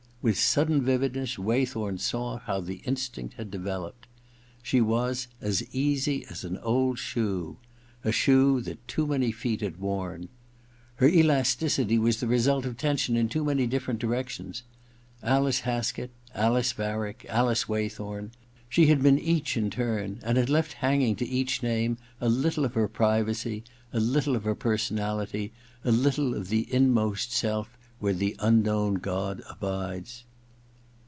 With sudden vividness Waythorn saw how the instinct had developed. She was ' as easy as an old shoe '— a shoe that too many feet had worn. Her elasticity was the result of tension in too many different ^ directions. Alice Haskett — Alice Varick — Alice Waythorn — she had been each in turn, and had left hanging to each name a little of her privacy, a little of her personality, a little of the inmost self where the unknown god abides.